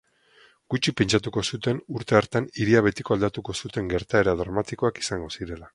Gutxik pentsatuko zuten urte hartan hiria betiko aldatuko zuten gertaera dramatikoak izango zirela.